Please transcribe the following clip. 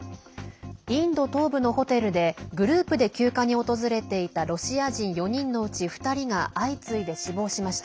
インド東部のホテルでグループで休暇に訪れていたロシア人４人のうち２人が相次いで、死亡しました。